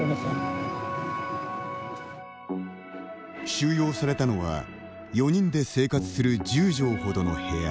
収容されたのは４人で生活する１０畳程の部屋。